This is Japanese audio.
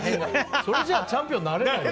それじゃチャンピオンになれないよ。